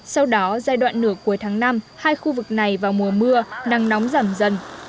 sau đó giai đoạn nửa cuối tháng năm hai khu vực này vào mùa mưa nắng nóng giảm dần